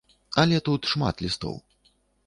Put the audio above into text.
Але тут шмат лістоў.